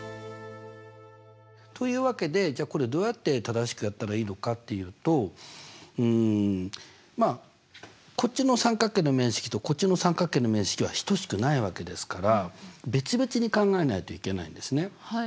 というわけでじゃあこれをどうやって正しくやったらいいのかっていうとうんまあこっちの三角形の面積とこっちの三角形の面積は等しくないわけですから別々に考えないといけないんですね。